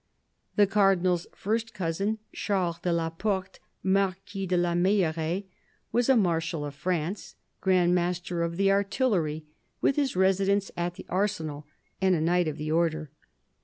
The Cardinal's first cousin, Charles de la Porte, Marquis de la Meilleraye, was a Marshal of France, Grand Master of the Artillery with his residence at the Arsenal, and a Knight of the Order.